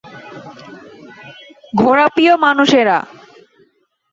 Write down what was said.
ঘোড়াপ্রিয় মানুষ এরা।